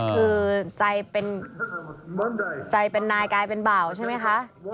คือใจเป็นนายกลายเป็นเบาใช่ไหมคะ